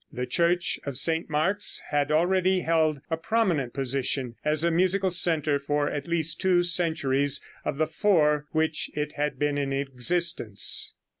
The church of St. Mark's had already held a prominent position as a musical center at least two centuries of the four which it had been in existence.